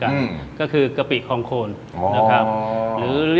สปาเกตตี้ปลาทู